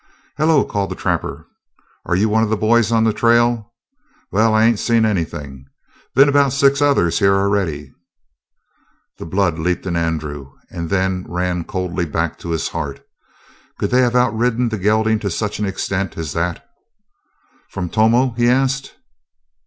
"Hello!" called the trapper. "Are you one of the boys on the trail? Well, I ain't seen anything. Been about six others here already." The blood leaped in Andrew, and then ran coldly back to his heart. Could they have outridden the gelding to such an extent as that? "From Tomo?" he asked.